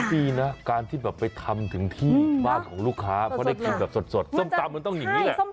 ดีนะการที่แบบไปทำถึงที่บ้านของลูกค้าเพราะได้กินแบบสดส้มตำมันต้องอย่างนี้แหละ